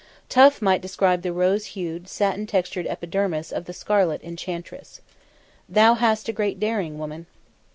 Tough might describe the rose hued, satin textured epidermis of the scarlet enchantress. "Thou hast a great daring, woman."